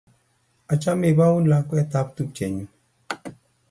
Amache ipaun lakwet ap tupchennyu